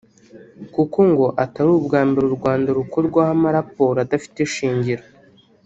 kuko ngo atari ubwa mbere u Rwanda rukorwaho amaraporo adafite ishingiro